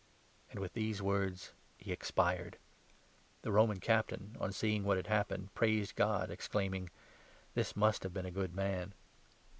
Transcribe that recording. And with these words he expired. The Roman Captain, 47 on seeing what had happened, praised God, exclaiming :" This must have been a good man